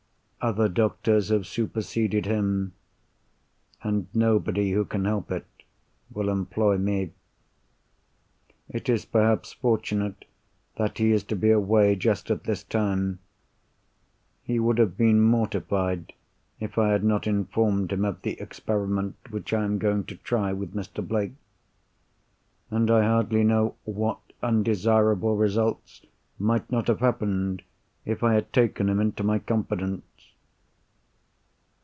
Other doctors have superseded him; and nobody who can help it will employ me. It is perhaps fortunate that he is to be away just at this time. He would have been mortified if I had not informed him of the experiment which I am going to try with Mr. Blake. And I hardly know what undesirable results might not have happened, if I had taken him into my confidence.